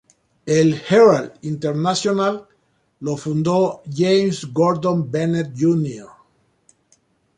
El "Herald" internacional lo fundó James Gordon Bennett, Jr.